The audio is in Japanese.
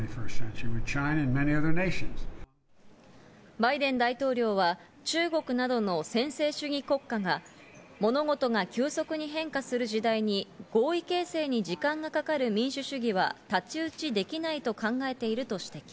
バイデン大統領は中国などの専制主義国家が物事が急速に変化する時代に合意形成に時間がかかる民主主義は太刀打ちできないと考えていると指摘。